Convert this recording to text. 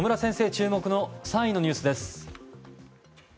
注目の３位のニュースです。